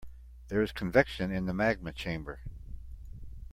There is convection in the magma chamber.